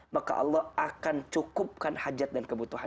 maka allah akan cukupkan hajat dan kebutuhan